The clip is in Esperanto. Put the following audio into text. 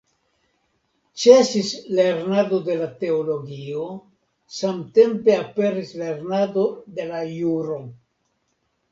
Ĉesis lernado de la teologio, samtempe aperis lernado de la juro.